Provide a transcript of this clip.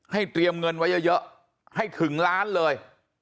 เตรียมเงินไว้เยอะให้ถึงล้านเลย